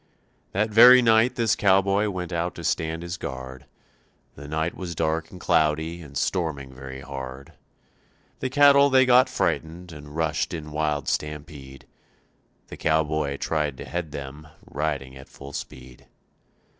That very night this cowboy went out to stand his guard; The night was dark and cloudy and storming very hard; The cattle they got frightened and rushed in wild stampede, The cowboy tried to head them, riding at full speed.